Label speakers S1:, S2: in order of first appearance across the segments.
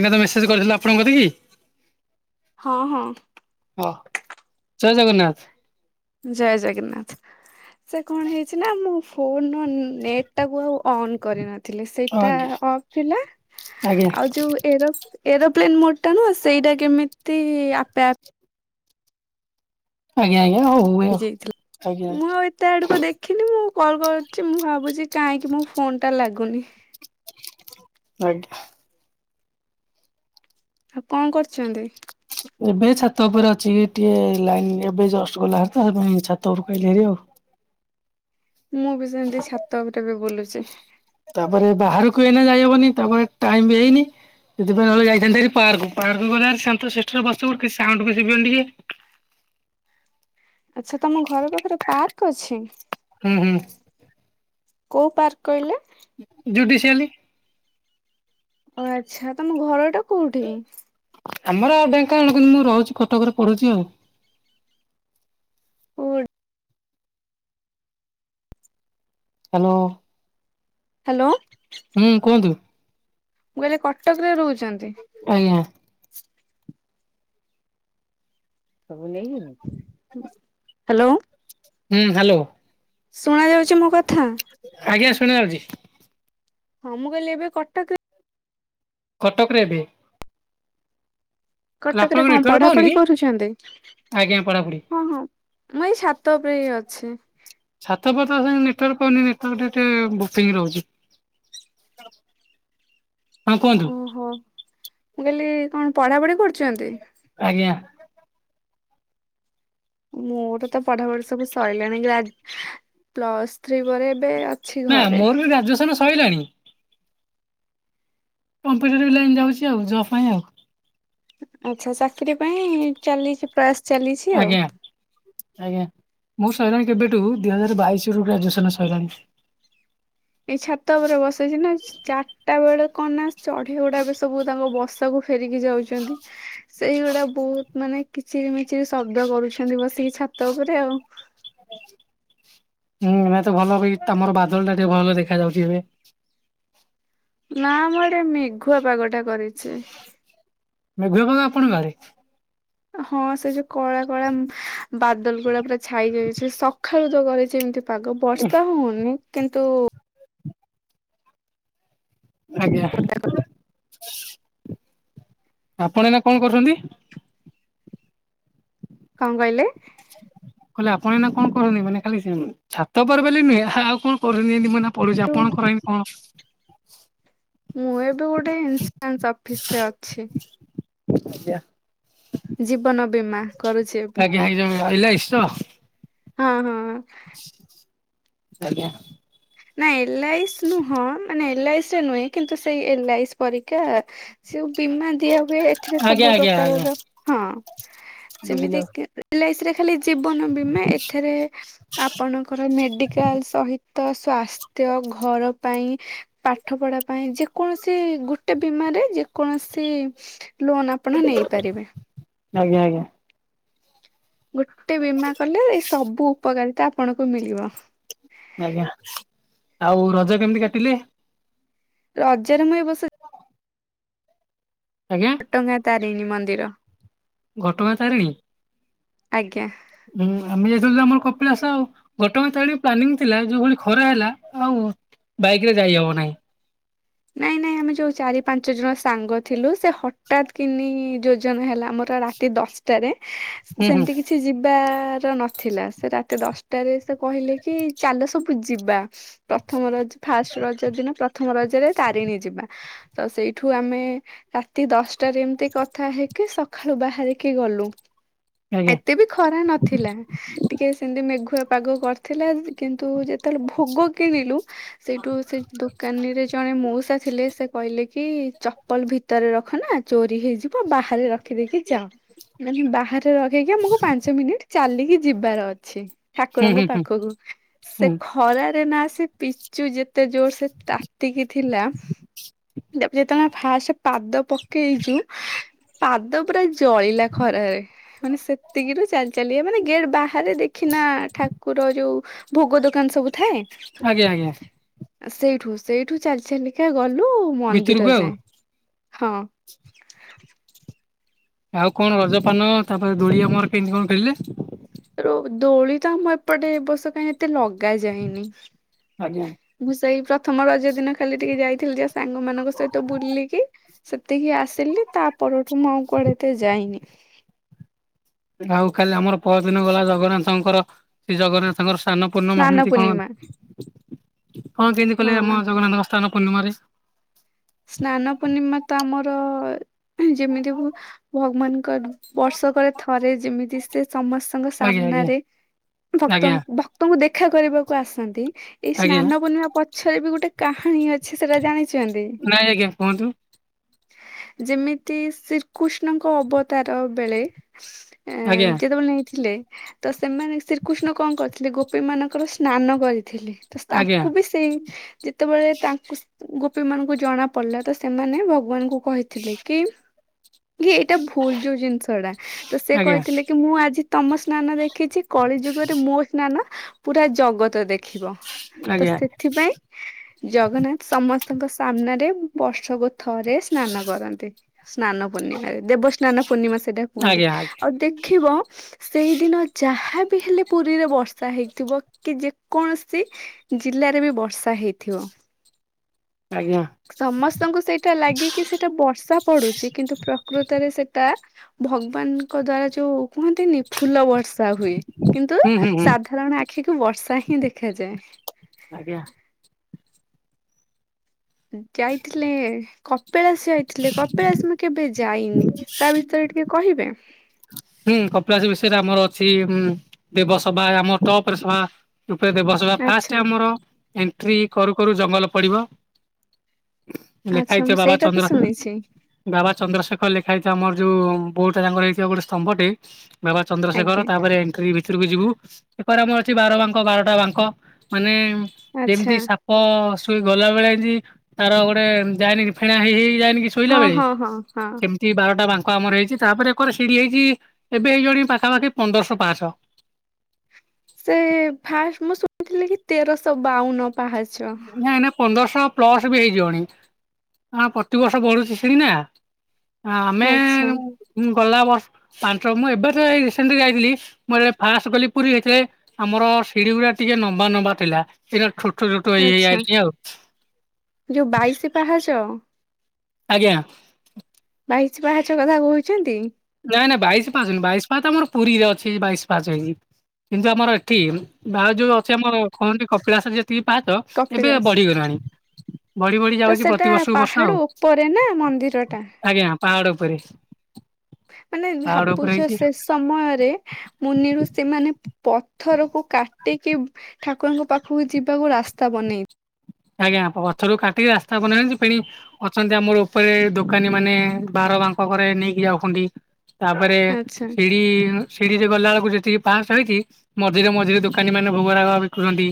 S1: ଏଇନା ତ ମେସେଜ କରିଥିଲି ଆପଣଙ୍କକତିକି।
S2: ହଁ ହଁ।
S1: ଅହଃ! ଜୟ ଜଗନ୍ନାଥ।
S2: ଜୟ ଜଗନ୍ନାଥ। ସେ କଣ ହେଇଛି ନା ମୁଁ ଫୋନ ର ନେଟ୍ ଟାକୁ ଆଉ ଅନ୍ କରି ନଥିଲି ସେ
S1: ହଁ
S2: ଟା
S1: ଆଜ୍ଞା
S2: ଅଫ ଥିଲା।
S1: ଆଜ୍ଞା
S2: ଆଉ ଯୋଉ ଏରୋପ ଏରୋପ୍ଲେନ ମୋଡଟା ନୁହଁ ସେଇଟା କେମିତି ଆପେ ଆପେ
S1: ଆଜ୍ଞା ଆଜ୍ଞା ହଉ। ହୁଏ ଆଉ ଆଜ୍ଞା
S2: ହେଇଯାଇଥିଲା। ମୁଁ ଆଉ ଏ [unintelligible] ଏତେ ଆଡକୁ ଦେଖିନି ମୁଁ କଲ୍ କରିୁଛି ମୁଁ ଭାବୁଛି କାହିଁକି ମୋ ଫୋନ ଟା ଲାଗୁନି।
S1: ଆଜ୍ଞା।
S2: ଆଉ କଣ କରୁଛନ୍ତି?
S1: ଏବେ ଏଇ ଛାତ ଉପରେ ଅଛି ଏଇ ଟିକେ ଲାଇନ ଏବେ ଜଷ୍ଟ ଗଲାହାରି ତ ହେଇଥିପାଇଁ ଛାତ ଉପରୁ ଆଇଲିହାରି ଆଉ।
S2: ମୁଁ ବି ସେମିତି ଛାତ ଉପରେ ବି ବୁଲୁଛି।
S1: ତାପରେ ବାହାରକୁ ଏଇନା ଯାଇହବନି ତାପରେ ଟାଇମ ବି ହେଇନି। ସେଥିପାଇଁ ନହଲେ ଯାଇଥାନ୍ତିହାରି ପାର୍କ। ପାର୍କ ଗଲେହାରି ଶାନ୍ତଶିଷ୍ଟରେ ବସିବୁ କିଛି ସାଉଣ୍ଡ ବି ଶୁଭିବନି ଟିକେ।
S2: ଆଚ୍ଛା ତମ ଘର ପାଖରେ ପାର୍କ ଅଛି?
S1: ହୁଁ ହୁଁ।
S2: କୋଉ ପାର୍କ କହିଲେ?
S1: ଜୁଡ଼ିସିଆଲି।
S2: ଓ ଆଚ୍ଛା! ତମ ଘରଟା କୋଉଠି?
S1: ଆମର ଢେଙ୍କାନାଳ। କିନ୍ତୁ ମୁଁ ରହୁଛି କଟକରେ ପଢୁଛି ଆଉ। ହ୍ୟାଲୋ।
S2: ହ୍ୟାଲୋ।
S1: ହୁଁ କୁହନ୍ତୁ?
S2: ମୁଁ କହିଲି ଏ କଟକରେ ରହୁଛନ୍ତି।
S1: ଆଜ୍ଞା।
S2: ହ୍ୟାଲୋ।
S1: ହୁଁ ହ୍ୟାଲୋ।
S2: ଶୁଣା ଯାଉଛି ମୋ କଥା?
S1: ଆଜ୍ଞା ଶୁଣାଯାଉଛି।
S2: ହଁ ମୁଁ କହିଲି ଏବେ କଟକରେ
S1: କଟକରେ ଏବେ। କହିଲେ
S2: କଟକରେ
S1: ଆପଣଙ୍କ
S2: କଣ
S1: ନେଟୱାର୍କ ପାଉନି
S2: ପଢ଼ାପଢ଼ି
S1: କି?
S2: କରୁଛନ୍ତି?
S1: ଆଜ୍ଞା ପଢାପଢି।
S2: ହଁ ହଁ। ମୁଁ ଏଇ ସାତ ଉପରେ ହିଁ ଅଛି।
S1: ସାତ ଉପରେ ତ ସେମିତି ନେଟୱାର୍କ ପାଉନି ଟିକେ ବୁକିଂ ରହୁଛି। ହଁ। କୁହନ୍ତୁ
S2: ଓହୋ! ମୁଁ କାଲି କଣ ପଢ଼ାପଢ଼ି କରୁଛନ୍ତି?
S1: ଆଜ୍ଞା।
S2: ମୋର ତ ପଢ଼ାପଢ଼ି ସବୁ ସରିଲାଣି। ଗ୍ରାଜ ପ୍ଲସ୍ ଥ୍ରୀ ପରେ ଏବେ ଅଛି
S1: ନା
S2: ଘରେ।
S1: ମୋର ବି ଗ୍ରାଜୁଏସନ ସଇଲାଣି। କମ୍ପ୍ୟୁଟରଭ ଲାଇନ୍ ଯାଉଛି ଆଉ ଜବ ପାଇଁ ଆଉ।
S2: ଆଚ୍ଛା ଚାକିରି ପାଇଁ ଚାଲିଛି ପ୍ରୟାସ ଚାଲିଛି ଆଉ।
S1: ଆଜ୍ଞା ଆଜ୍ଞା ମୁଁ ସଇଲାଣି କେବେଠୁ ଦୁଇ ହଜାର ବାଇଶ ରୁ ଗ୍ରାଜୁଏସନ ସଆଇଲାଣି।
S2: ଏଇ ଛାତ ଉପରେ ବସେଇଛି ନା ଚାରିଟା ବେଳେ କଣ ନାଁ ଚଢେଇ ଗୁଡା ବି ସବୁ ତାଙ୍କ ବସାକୁ ଫେରିକି ଯାଉଛନ୍ତି। ସେଇଗୁଡା ବହୁତ ମାନେ କିଚରି ମିଚିରି ଶବ୍ଦ କରୁଛନ୍ତି ବସିକ ଛାତ ଉପରେ ଆଉ।
S1: ହୁଁ ଏବେ ତ ଭଲ ତମର ବାଦଲ ଟା ଟିକେ ଭଲ ଦେଖାଯାଉଛି ଏବେ।
S2: ନା ଆମ ଆଡେ ମେଘୁଆ ପାଗ ଟା କରିଛି।
S1: ମେଘୁଆ ପାଗ ଆପଣ ଆଡେ?
S2: ହଁ ସେ ଯୋଉ କଳା କଳା ବାଦଲ ଗୁଡା ପୁରା ଛାଇ ଯାଇଛି ସକାଳୁ ତ କରେଇଛି ଏମିତି। ପାଗ ବର୍ଷା ହଉନି। କିନ୍ତୁ
S1: ଆଜ୍ଞା। ଆପଣ ଏଇନା କଣ କରୁଛନ୍ତି?
S2: କଣ କହିଲେ?
S1: କହିଲି ଆପଣ ଏଇନେ କଣ କରୁନି, ମାନେ ଖାଲି ଛାତ ଉପରେ ବୋଲି ନୁହେଁ ଆଉ କଣ କରୁନି ଏମିତି ମାନେ ପଡୁଛି ଆପଣ କର ହିତି କଣ?
S2: ମୁଁ ଏବେ ଗୋଟେ ଇନ୍ସରାନ୍ସ ଅଫିସ ରେ ଅଛି।
S1: ଆଜ୍ଞା!
S2: ଜୀବନ ବୀମା କରୁଛି ଏବେ
S1: ଆଜ୍ଞା ହେଇଯଉ ଏଲାଇସି ତ।
S2: ହଁ ହଁ।
S1: ଆଜ୍ଞା।
S2: ନା ଏଲ ଆଇସ୍ ନୁହଁ। ମାନେ ଏଲ୍ ଆଇରେ ନୁହେଁ, କିନ୍ତୁ ସେଇ ଏଲ ଆଇସ୍ ପରିକା। ସେଉ ବୀମା ଦିଆ ହୁଏ ଏଥିରେ
S1: ଆଜ୍ଞା
S2: ସବୁ
S1: ଆଜ୍ଞା ଆଜ୍ଞା
S2: ପ୍ରକାରର ହଁ
S1: ବୁଝିଲି
S2: ସେମିତି
S1: ଆଉ।
S2: ଏଲାଇସରେ ଖାଲି ଜୀବନ ବୀମା। ଏଥିରେ ଆପଣଙ୍କର ମେଡିକାଲ ସହିତ ସ୍ୱାସ୍ଥ୍ୟ ଘର ପାଇଁ ପାଇଁ ପାଠ ପଢା ପାଇଁ ଯେକୌଣସି ଗୋଟେ ବୀମାରେ ଯେକୌଣସି ଲୋନ ଆପଣ ନେଇପାରିବେ।
S1: ଆଜ୍ଞା ଆଜ୍ଞା।
S2: ଗୋଟେ ବୀମା କଲେ ଏଇ ସବୁ ଉପକାରିତା ଆପଣଙ୍କୁ ମିଳିବ।
S1: ଆଜ୍ଞା, ଆଉ ରଜ କେମିତି କାଟିଲେ?
S2: ରଜରେ ମୁଁ ଏ ବର୍ଷ
S1: ଆଜ୍ଞା।
S2: ଘଟଗାଁ ତାରିଣୀ ମନ୍ଦିର।
S1: ଘଟଗାଁ ତାରିଣୀ।
S2: ଆଜ୍ଞା।
S1: ହୁଁ ଆମେ ଯାଇଥିଲୁ, ଆମର କପିଳାସ ଆଉ। ଘଟଗାଁ ତାରିଣୀ ପ୍ଲାନିଂ ଥିଲା। ଯୋଉଭଳି ଖରା ହେଲା ଆଉ ବାଇକରେ ଯାଇହବ ନାହିଁ।
S2: ନାଇଁ ନାଇଁ ଆମେ ଯୋଉ ଚାରି ପାଞ୍ଚ ଜଣ ସାଙ୍ଗ ଥିଲୁ, ସେ ହଠାତ୍ କିନି ଯୋଜନା ହେଲା ଆମର ରା ରାତି ଦଶଟାରେ,
S1: ହୁଁ ହୁଁ
S2: ସେମିତି କିଛି ଯିବାର ନ ଥିଲା। ସେ ରାତି ଦଶଟାରେ ସେ କହିଲେ କି ଚାଲସବୁ ଯିବା। ପ୍ରଥମ ରଜ ଫାଷ୍ଟ ରଜ ଦିନ ପ୍ରଥମ ରଜରେ ତାରିଣୀ ଯିବା। ତ ସେଇଠୁ ଆମେ ରାତି ଦଶଟାରେ ଏମତି କଥା ହେଇକି ସ ଖାଳୁ ବାହାରିକି ଗଲୁ।
S1: ଆଜ୍ଞା
S2: ଏତେ ବି ଖରା ନ ଥିଲା। ଟିକେ ସେମିତି ମେଘୁଆ ପାଗ କରିଥିଲା। କିନ୍ତୁ ଯେତେବେଳେ ଭୋଗ କିଣିଲୁ, ସେଇଠୁ ସେ ଦୋକାନୀରେ ଜଣେ ମଉସା ଥିଲେ ସେ କହିଲେ କି ଚପଲ ଭିତରେ ରଖନା ଚୋରି ହେଇଯିବ। ବାହାରେ ରଖିଦେଇକି ଯାଅ। ମାନେ ବାହାରେ ରଖେଇକି ଆମକୁ ପାଞ୍ଚ ମିନିଟ ଚାଲିକି ଯିବାର ଅଛି।
S1: ହୁଁ
S2: ଠାକୁରଙ୍କ
S1: ହୁଁ ହୁଁ
S2: ପାଖକୁ। ସେ
S1: ହୁଁ
S2: ଖରାରେ ନ ଆସେ ପିଚୁ ଯେତେ ଜୋର ସେ ତା ତିକି ଥିଲା - - ଯେତେବେଳେ ଆମେ ଫାଷ୍ଟ ପାଦ ପକେଇଚୁ ପାଦ ପୁରା ଜଳିଲା ଖରାରେ। ମାନେ ସେତିକିରୁ ଚାଲି ଚାଲିକା ମାନେ ଗେଟ ବା ହାରେ ଦେଖିନା ଠାକୁର ଯୋଉ ଭୋଗ ଦୋକାନ ସବୁ ଥାଏ।
S1: ଆଜ୍ଞା ଆଜ୍ଞା।
S2: ସେଇଠୁ, ସେଇଠୁ ଚାଲି ଚାଲିକା ଗଲୁ ମନ୍ଦିର
S1: ଭିତରକୁ ଆଉ।
S2: ଯାଏ ହଁ।
S1: ଆଉ କଣ ରଜପାନ ତାପରେ ଦୋଳି ଆମର କେମିତି କଣ ଖେଳିଲେ?
S2: ଦୋଳି ତ ଆମ ଏପଟେ ଏ ବର୍ଷ କାହିଁ ଏତେ ଲଗା ଯାଇନି।
S1: ଆଜ୍ଞା
S2: ମୁଁ ସେଇ ପ୍ରଥମ ରଜ ଦିନ ଖାଲି ଟିକେ ଯାଇଥିଲି ଯା ସାଙ୍ଗମାନାନଙ୍କ ସହିତ ବୁଲିକି। ସେତିକି ଆସିଲି ତା ପରଠୁ ମୁଁ ଆଉ କୁଆଡେେ ଏତେ ଯାଇନି।
S1: ଆଉ କାଲି ଆମର ପରଦିନ ଗଲା ଜଗନ୍ନାଥଙ୍କର, ସେ ଜଗନ୍ନାଥଙ୍କର ସ୍ନାନ ପୂର୍ଣ୍ଣିମା
S2: ସ୍ନାନ
S1: ସେମିତି
S2: ପୂର୍ଣ୍ଣିମା
S1: କଣ? କଣ କେମିତି କଲେ ଆମ
S2: ହଁ
S1: ଜଗନ୍ନାଥଙ୍କ ସ୍ନାନ ପୂର୍ଣ୍ଣିମାରେ?
S2: ସ୍ନାନ ପୂର୍ଣ୍ଣିମା ତ ଆମର ଯେମିତି ଭଗବାନଙ୍କର ବର୍ଷକରେ ଥରେ ଯେମିତି ସେ ସମସ୍ତଙ୍କ
S1: ଆଜ୍ଞା ଆଜ୍ଞା
S2: ସାମ୍ନାରେ
S1: ଆଜ୍ଞା
S2: ଭକ୍ତଙ୍କୁ ଭ ଭକ୍ତଙ୍କୁ ଦେଖା କରିବାକୁ ଆସନ୍ତି। ଏଇ
S1: ଆଜ୍ଞା
S2: ସ୍ନାନ ପୂର୍ଣ୍ଣିମା ପଛରେ ବି ଗୋଟେ କାହାଣୀ ଅଛି। ଅଛି। ସେଟା ଜାଣିଚନ୍ତି?
S1: ନାଇ ଆଜ୍ଞା କୁହନ୍ତୁ।
S2: ଯେମିତି ଶ୍ରୀକୃଷ୍ଣଙ୍କ ଅବତାର ବେଳେ ଏ
S1: ଆଜ୍ଞା
S2: ଯେତେବେଳେ ନେଇଥିଲେ ତ ସେମାନେ ଶ୍ରୀକୃଷ୍ଣ କଣ କରିଥିଲେ ଗୋ ଗୋପି ମାନଙ୍କର ସ୍ନାନ କରିଥିଲେ। ତ
S1: ଆଜ୍ଞା
S2: ତାଙ୍କୁ ବି ଯେତେବେଳେ ତାଙ୍କୁ ଗୋପୀ ମାନଙ୍କୁ ଜଣା ପଡିଲା, ତ ସେମାନେ ଭଗବାନଙ୍କୁ କହିଥିଲେ କି କି ଏଇଟା ଭୁଲ ଯୋଉ ଜିନିଷଟା। ତ ସେ
S1: ଆଜ୍ଞା
S2: କହିଥିଲେ କି ମୁଁ ଆଜି ତମ ସ୍ନାନ ଦେଖିଛି, କଳି ଯୁଗରେ ମୋ ସ୍ନାନ ପୁରା ଜଗତ ଦେଖିବ। ତ ସେ
S1: ଆଜ୍ଞା
S2: ସେଥିପାଇଁ ଜଗନ୍ନାଥ ସମସ୍ତଙ୍କ ସାମ୍ନାରେ ବର୍ଷକୁ ଥରେ ସ୍ନାନ କରନ୍ତି। ସ୍ନାନ ପୂର୍ଣ୍ଣିମାରେ। ଦେବସ୍ନାନ ପୂର୍ଣ୍ଣିମା ସେଇଟା କୁ କୁହନ୍ତି।
S1: ଆଜ୍ଞା ଆଜ୍ଞା
S2: ଆଉ ଦେଖିବ ସେଇଦିନ ଯାହା ବିି ହେଲେ ପୁରୀରେ ବର୍ଷା ହେଇଥିବ। କି ଯେକୌଣସି ଜିଲ୍ଲାରେ ବି ବର୍ଷା ହେଇଥିବ।
S1: ଆଜ୍ଞା।
S2: ସମସ୍ତଙ୍କୁ ସେଇଟା ଲାଗେକି ସେଇଟା ବର୍ଷା ପଡୁଛି। କିନ୍ତୁ ପ୍ରକୃତରେ ସେଟା ଭଗବାନଙ୍କ ଦ୍ଵାରା ଯୋଉ କୁହନ୍ତିନି ଫୁଲ ବର୍ଷା। ବର୍ଷା ହୁଏ। କିନ୍ତୁ
S1: ହୁଁ ହୁଁ ହୁଁ
S2: ସାଧାରଣ ଆଖିକୁ ବର୍ଷା ହିଁ ଦେଖାଯାଏ।
S1: ଆଜ୍ଞା।
S2: ଯାଇଥିଲେ, କପିଳାସ ଯାଇଥିଲେ। କପିଳାସ ମୁଁ କେବେ ଯାଇନି ତା ଭିତରେ ଟିକେ କହିବେ।
S1: ହୁଁ କପିଳାସ ବିଷୟରେ ଆମର ଅଛି। ହୁଁ ଦେବସଭା ଆମର ଟପ ରେ ସଭା। ଉପରେ ଦେବସବା ଫାଷ୍ଟ
S2: ଆଚ୍ଛା
S1: ଆମର ଏଣ୍ଟ୍ରି କରୁ କରୁ ଜଙ୍ଗଲ ପଡିବ। ଲେଖା
S2: ଆଚ୍ଛା
S1: ହେଇଥିବ
S2: ମୁଁ
S1: ବାବା
S2: ସେଇଟା ତ
S1: ଚନ୍ଦ୍ର
S2: ଶୁଣିଛି
S1: ବାବା ଚନ୍ଦ୍ରଶେଖର ଲେଖା ହେଇଥିବ। ଆମର ଯୋଉ ବୋଡଟା ତାଙ୍କର ହେଇଥିବ ଗୋଟେ ସ୍ତମ୍ଭଟେ। ବାବା ଚନ୍ଦ୍ରଶେଖର
S2: ଆଜ୍ଞା
S1: ତାପରେ ଏଣ୍ଟ୍ରି ଭିତ୍ ଭିତୁରୁକୁ ଯିବୁ ଏପରେ ଆମର ଅଛି ବାର ବାଙ୍କ ବାରଟା ବାଙ୍କ ମାନେ
S2: ଆଚ୍ଛା।
S1: ଯେମିତି ସାପ ପ ସେଇ ଗଲା ବେଳେ ତାର ଗୋଟେ ଯାଏନିକି ଫେଣା ହେଇ ହେଇ ଯାଏନି କି ଶୋଇଲା
S2: ହଁ
S1: ବେଳେ
S2: ହଁ ହଁ ହଁ।
S1: ସେମିତି ବାରଟା ବାଙ୍କ ଆମର ହେଇଛି। ତାପରେ ଏକର ସିଡି ହେଇଛି ଚି ଏବେ ହେଇ ଗଲାଣି ପାଖାପାଖି ପନ୍ଦରଶହ ପାହାଚ।
S2: ସେ ଫାଷ୍ଟ ମୁଁ ଶୁଣିଥିଲି କି ତେରଶହ ବାଉନ। ପାହାଚ।
S1: ନା ନା ପନ୍ଦରଶହ ପ୍ଲସ ବି ହେଇଯିବଣି ଆ ପ୍ରତିବର୍ଷ ବଢୁଛି ସିଡି ନା। ଆମେ
S2: ଆଚ୍ଛା
S1: ଗଲା ବର୍ଷ ପାଞ୍ଚ ମୁଁ ଏବେ ତ ରିଶିନ୍ଟି ଯାଇଥିଲି ମୁଁ ଫାସ୍ଟେ ଗଲି ପୁରୀ ଯେତେବେଳେ ଆମର ସିଡି ଗୁଡା ଟିକେ ନମ୍ବା ନମ୍ବା ଥିଲା ଏଇରା ଛୋଟ ଛୋଟ ହେଇ ହେଇ
S2: ଆଚ୍ଛା
S1: ଆଇଲାଣି ଆଉ।
S2: ଯୋଉ ବାଇଶି ପାହାଚ।
S1: ଆଜ୍ଞା।
S2: ବାଇଶି ପାହାଚ କଥା କହୁଛନ୍ତି।
S1: ନାଇଁ ନାଇଁ ବାଇଶ ପାହାଚ ବାଇଶ ପାହାଚ ତ ଆମର ପୁରୀରେ ଅଛି ବାଇଶ ପାଚ ହେଇଚି। କିନ୍ତୁ ଆମର ଏଠି ଭାଉ ଯୋଉ ଅଛି ଆମର କଣନ୍ତି କପିଳାସର ଯେତିକି ପାହାଚ ଏବେ
S2: କପିଳାସ।
S1: ବଢିଗଲାଣି। ବଢି ବଢି
S2: ତ
S1: ଯାଉଛି
S2: ସେଟା
S1: ପ୍ରତିବର୍ଷକୁ ବର୍ଷ
S2: ପାହାଡ
S1: ଆଉ
S2: ଉପରେ ନା ମନ୍ଦିର ଟା
S1: ଆଜ୍ଞା ପାହାଡ ଉପରେ।
S2: ମାନେ
S1: ପାହାଡ ଉପରେ
S2: ଭାବୁଛ
S1: ହେଇଛି।
S2: ସେ ସମ ସମୟରେ ମୁନିୠଷିମାନେ ପଥରକୁ କାଟି କାଟିକି ଠାକୁରଙ୍କ ପାଖକୁ ଯିବାକୁ ରାସ୍ତା ବନେଇ
S1: ଆଜ୍ଞା ପଥରକୁ କାଟିକି ରାସ୍ତା ବନେଇଚନ୍ତୀ ଫେଣି ଅଛନ୍ତି ଆମର ଉପରେ ଦୋକାନୀ ମାନେ ବାର ବାଙ୍କ କରେ ନେଇକି ଯାଉଛନ୍ତି। ତାପରେ
S2: ଆଚ୍ଛା।
S1: ଶିଡି ସିଡ଼ିରେ ଗଲା ବେଳକୁ ଯେତିକି ପାହାଚ ହେଇଚି ମଝିରେ ମଝିରେ ଦୋକାନୀ ମାନେ ଭୋଗରାଗ ବିକୁଛନ୍ତି।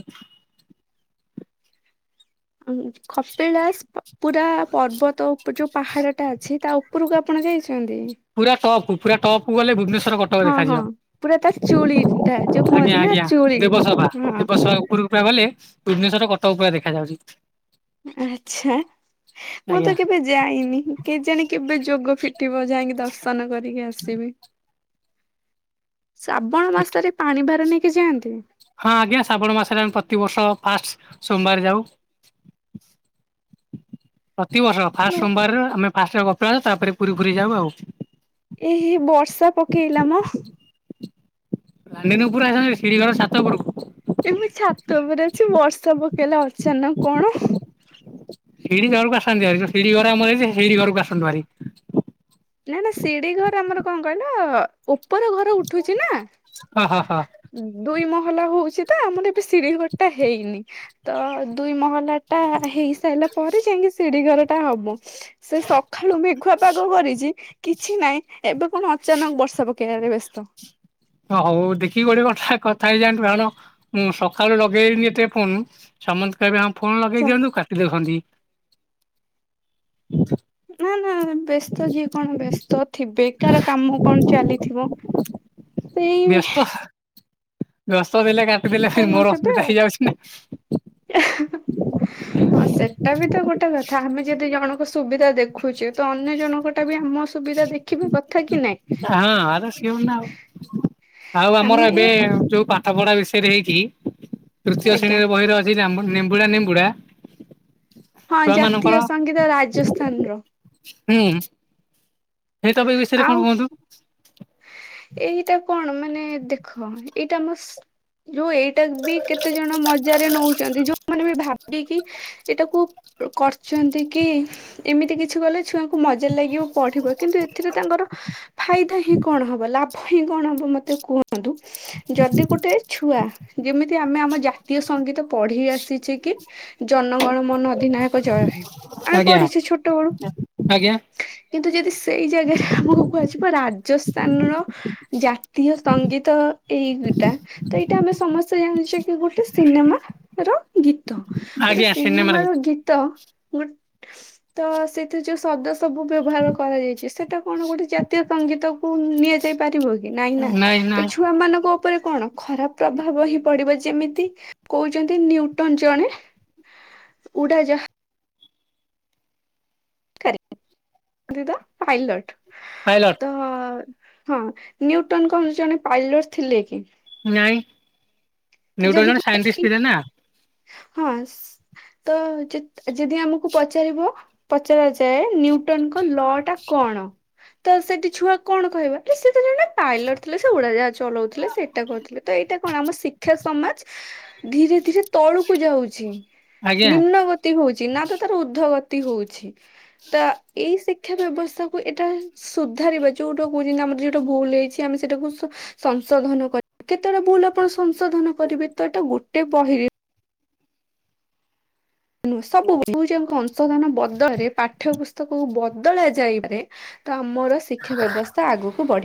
S2: ଆଁ ଉଁ। ଖପିଳାସ ପୁରା ପର୍ବତ ଉପ ଯୋଉ ପାହାଡ଼ଟା ଅଛି ତା ଉପରକୁ ଆପଣ ଯାଇଛନ୍ତି?
S1: ପୁରା ଟପକୁ ପୁରା ଟପକୁ ଗଲେ ଭୁବନେଶ୍ୱର କଟ ଟକ
S2: ହଁ ହଁ
S1: ଦେଖାଯିବ
S2: ପୁରା ତା ଚୁଳି ଟା ଯୋଉ କୁହନ୍ତି
S1: ଆଜ୍ଞା
S2: ନା
S1: ଆଜ୍ଞା
S2: ଚୁଳି
S1: ଦେବସଭା
S2: ହଁ
S1: ଦେବସଭା ଉପୁରୁକୁ ପୁରା ଗଲେ ଭୁବନେଶ୍ଵର କଟକ ପୁରା ଦେଖା ଯାଉଚି।
S2: ଆଚ୍ଛା ମୁଁ
S1: ଆଜ୍ଞା
S2: ତ କେବେ ଯାଇନି କେ ଜାଣି କେବେ ଯୋଗ ଫି ଟିବ ଯାଇକି ଦର୍ଶନ କରିକି ଆସିବି। ଶ୍ରାବଣ ମାସରେ ପାଣି ଭାର ନେଇକି ଯାଆନ୍ତି?
S1: ହଁ ଆଜ୍ଞା ଶ୍ରାବଣ ମାସରେ ଆମେ ପ୍ରତିବର୍ଷ ଫାଷ୍ଟ ସୋମବାରେ ଯାଉ। ପ୍ରତିିବର୍ଷ ଫାଷ୍ଟ ସୋମବାରର ଆମେ ଫାଷ୍ଟ କପିଳାସ ତାପରେ ପୁରୀ ଫୁରୀ ଯାଉ ଆଉ।
S2: ଏ ହେଇ ବର୍ଷା ପକେଇଲା ମ।
S1: [unintelligible] ଆସ ହେରି ସିଡ଼ି ଘର ସାତ ଉପରକୁ।
S2: ଏବେ ଛାତ ଉପରେ ଅଛି ବର୍ଷା ପକେଇଲା ଅଚାନକ କଣ?
S1: ସିଡି ଘରକୁ ଆସନ୍ତୁ ହେରି ସିଡି ଘର ଆମର ହେଇଚି ସେଇ ସିଡି ଘରକୁ ଆସନ୍ତୁ ହେରି।
S2: ନା ନା ଶିଡିି ଘର ଆମର କଁ କହିଲ ଉପର ଘର ଉଠୁଚି ନା
S1: ହ ହ ହ।
S2: ଦୁଇ ମହଲା ହଉଚି ତ ଆମର ଏବେ ସିଡି ଘରଟା ହେଇନି। ତ ଦୁଇ ମହଲା ଟା ହେଇ ସାରିଲା ପରେ ଯାଇକି ସିଡି ଘର ଟା ହବ ସେ ସଖାଳୁ ମେଘୁଆ ପାଗ କରିଚି। କିଛି ନାଇଁ ଏବେ କଣ ଅଚାନକ ବର୍ଷା ପକେଇବାରେ ବ୍ୟସ୍ତ।
S1: ହଉ ଦେଖିକି ଗୋଟେ କଥା କଥା ହେଇଯାଆନ୍ତୁ ମ୍ୟାଡାମ ମୁଁ ସକାଳୁ ଲଗେଇନି ଏତେ ଫୋନ ସମେନ୍ତେ କହିବେ ହଁ ଫୋନ୍ ଲଗେଇ ଦିଅନ୍ତୁ କାଟି ଦେଳ ଦଉଛନ୍ତି।
S2: ନା ନା ବ୍ୟସ୍ତ ଯିଏ କଣ ବ୍ୟସ୍ତ ଥିବେ କାଳେ କାମ କଣ ଚାଲିଥିବ ସେଇ
S1: ବ୍ୟସ୍ତ ବ୍ୟସ୍ତ ଥିଲେ କାଟିଦଲେ ଖାଲି ମୋର
S2: ନଥିବେ
S1: ଅସୁବିଧା
S2: ଆଉ।
S1: ହେଇଯାଉଚି ନା।
S2: [unintelligible] ହଁ ସେଟା ବି ତ ଗୋଟେ କଥା ଆମେ ଯଦି ଜଣଙ୍କ ସୁବିଧା ଦେଖୁଚେ ତ ଅନ୍ୟ ଜଣଙ୍କ ଟା ବି ଆମ ସୁବିଧା ଦେଖିବା କଥା କି ନାଇଁ
S1: ହଁ ଆରେ ସେ ମାନେ ଆଉ ଆଉ ଆମର
S2: ଆମେ
S1: ଏବେ ଯୋଉ ପାଠ ପଢା ବିଷୟରେ ହେଇଚି ତୃତୀୟ
S2: ଆଜ୍ଞା।
S1: ଶ୍ରେଣୀରେ ବହିରେ ଅ ନେମ୍ବୁଡା ନେମ୍ବୁଡ଼ା
S2: ହଁ ଜାତୀୟ ସଙ୍ଗୀତ ରାଜସ୍ଥାନର।
S1: ହୁଁ ସେଇ ଟପିକ୍ ବିଷୟରେ
S2: ଆଉ
S1: କଣ କୁହନ୍ତୁ?
S2: ଏଇଟା କଣ ମାନେ ଦେଖ ଏଇଟା ଆମ ସ ଯୋଉ ଏଇଟା ବି କେତେ ଜଣ ମଜାରେ ନଉଚନ୍ତି ଯୋଉମାନେ ବି ଭାବିକି ଏଇଟାକୁ କରିର୍ଚନ୍ତି କି ଏମିତି କିଛି କଲେ ଛୁଆଙ୍କ ମଜ୍ଜା ଲାଗିବ ପଢିବ କିନ୍ତୁ ଏଥିରେ ତାଙ୍କର ଫାଇଦା ହିଁ କଣ ହେବ ଲା ଭ କଣ ହବ ମତେ କୁହନ୍ତୁ ଯଦି ଗୋଟେ ଛୁଆ ଯେମିତି ଆମେ ଆମ ଜାତୀୟ ସଙ୍ଗୀତ ପଢି ଆସିଚେ କି ଜନଗଣ ମନ ଅଧିନାୟକ ଜୟ ହେ ଆମେ
S1: ଆଜ୍ଞା
S2: ପଢିଚେ ଛୋଟ ବେଳୁ
S1: ଆଜ୍ଞା
S2: କିନ୍ତୁ ଯଦି ସେଇ ଜାଗାରେ ଆମକୁ କୁହାଯିବ ରାଜସ୍ଥାନର। ଜାତୀୟ ସଙ୍ଗୀତ ଏଇ ଗୁଟା ତ ଏଇଟା ଆମେ ସମସ୍ତେ ଜାଣିଚେ ଗୋଟେ ସିନେମା ର ଗୀତ। ଗୋଟେ
S1: ଆଜ୍ଞା ସିନେମାରେ
S2: ସିନେମାର ଗୀତ ଗୋଟେ ତ ସେଥିରେ ଯୋଉ ଶବ୍ଦ ସବୁ ବ୍ୟବହାର କରାଯାଇଛି, ସେଟା କଣ ଗୋଟେ ଜାତୀୟ ସଙ୍ଗୀତ। ନିଆ ଯାଇ ପାରିବ କି? ନାଇଁ ନା, ତ ଛୁଆ ମାନଙ୍କ ଉପ ଉପରେ କଣ ଖରାପ ପ୍ରଭାବ ହିଁ ପଡିବ। ଯେମିତି କହୁଛନ୍ତି ନ୍ୟୁଟନ୍ ଜଣେ ଉଡ଼ାଯାହା। [unintelligible] ପାଇଲଟ୍।
S1: ପାଇଲଟ୍।
S2: ତ ହଁ ନ୍ୟୁଟନ୍ କଣ ଜଣେ ପାଇଲଟ୍ ଥିଲେ କି?
S1: ନାଇଁ,
S2: ତ
S1: ନ୍ୟୁଟନ୍
S2: ଯଦି
S1: ଜଣେ ସାଇଣ୍ଟିଷ୍ଟ୍ ଥିଲେ ନା।
S2: ହଁ ତ ଯଦି ଆମକୁ ପଚାରିବ ପଚରା ଯାଏ ନ୍ୟୁଟନଙ୍କ ଲ ଟା କଣ? ତ ସେଠି ଛୁଆ କଣ କହିବ? ଆରେ ସେ ତ ଜଣେ ପାଇଲଟ୍ ଥିଲେ। ସେ ଉଡାଜାହାଜ ଚଲଉଥିଲେ। ସେ ଏଟା କରୁଥିଲେ। ତ ଏଇଟା କଣ ଆମ ଶିକ୍ଷା ସମାଜ ଧିରେ ଧିରେ ତଳୁକୁ ଯାଉଛି।
S1: ଆଜ୍ଞା।
S2: ନିମ୍ନ ଗତି ହଉଚି। ନା ତ ତାର ଉର୍ଦ୍ଧ୍ୱ ଗତି ହଉଛି। ତ ଏଇ ଶିକ୍ଷା ବ୍ୟବସ୍ଥାକୁ ଏଟା ସୁଧାରିବା। ଯୋଉଟାକୁ କୁହନ୍ତି ନା ଆମର ଯୋଉଟା ଭୁଲ୍ ହେଇଛି ଆମେ ସେଇଟାକୁ ସୁ ସଂଶୋଧନ କରିବେ। କେତେଟା ଭୁଲ ଆପଣ ସଂଶୋଧନ କରିବେ? ତ ଏଟା ଗୋଟେ ବହିରେ ନୁ ସବୁ ଭୁଲ୍ ସଂଶୋଧନ ବଦଳରେ ପାଠ୍ୟ ପୁସ୍ ତକୁ ବଦଳା ଯାଇପାରେ। ତ ଆମର ଶିକ୍ଷା ବ୍ୟବସ୍ଥା ଆଗକୁ ବଢିବ।